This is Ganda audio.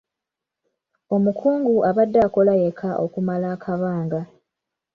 Omukungu abadde akola yekka okumala akabanga.